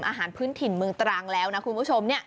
อาหารพื้นถิ่นเมืองตรังแล้วนะคุณผู้ชม